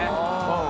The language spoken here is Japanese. うん。